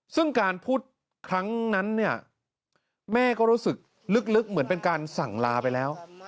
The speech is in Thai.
ซึ่งการพูดครั้งนั้นเนี่ยแม่ก็รู้สึกลึกเหมือนเป็นการสั่งลาไปแล้ว